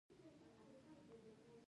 هو هغه کولای شي بیا کار ته راشي.